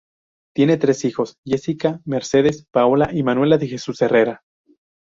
Tiene tres hijos: Jessica, Mercedes Paola y Manuel de Jesús Herrera.